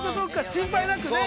心配なくね。